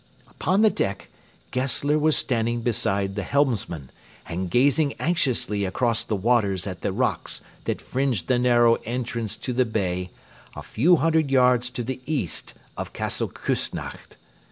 Upon the deck Gessler was standing beside the helmsman, and gazing anxiously across the waters at the rocks that fringed the narrow entrance to the bay a few hundred yards to the east of Castle Küssnacht.